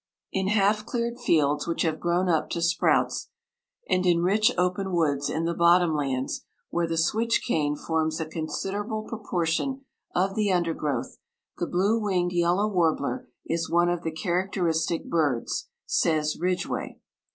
In half cleared fields which have grown up to sprouts, and in rich open woods in the bottom lands, where the switch cane forms a considerable proportion of the undergrowth, the blue winged yellow warbler is one of the characteristic birds, says Ridgway.